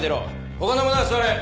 他の者は座れ。